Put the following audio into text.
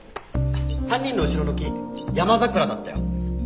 ３人の後ろの木ヤマザクラだったよ。